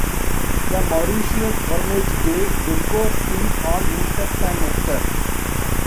The Mauritius ornate day gecko feeds on insects and nectar.